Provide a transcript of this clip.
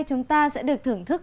chúng ta sẽ được thưởng thức